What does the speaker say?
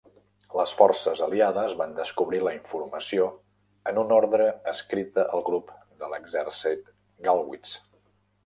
Les forces aliades van descobrir la informació en una ordre escrita al grup de l'exèrcit Gallwitz.